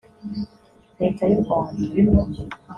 Leta y’u Rwanda